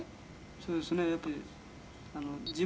そうですか。